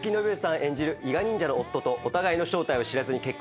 演じる伊賀忍者の夫とお互いの正体を知らずに結婚。